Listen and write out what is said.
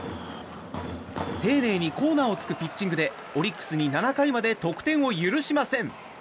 丁寧にコーナーを突くピッチングでオリックスに７回まで得点を許しません。